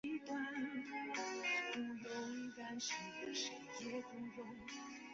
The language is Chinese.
在伦敦的少数几处遗留下来的猎场在伦敦的城市化过程中大多被作为城市绿地保留下来。